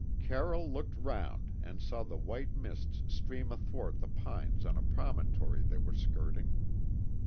Carroll looked round and saw the white mists stream athwart the pines on a promontory they were skirting.